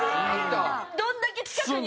どれだけ近くに。